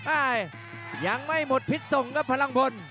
ยังไม่หมดพิษส่งครับพลังพล